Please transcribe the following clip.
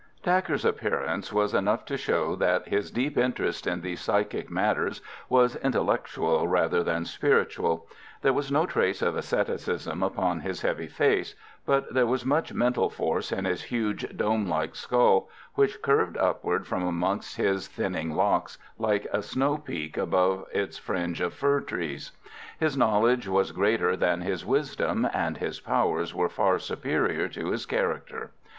Dacre's appearance was enough to show that his deep interest in these psychic matters was intellectual rather than spiritual. There was no trace of asceticism upon his heavy face, but there was much mental force in his huge dome like skull, which curved upward from amongst his thinning locks, like a snow peak above its fringe of fir trees. His knowledge was greater than his wisdom, and his powers were far superior to his character.